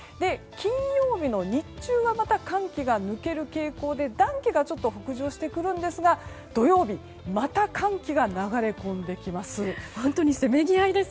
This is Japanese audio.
金曜日の日中はまた寒気が抜ける傾向で暖気がちょっと北上してくるんですが土曜日また寒気が流れ込んできます。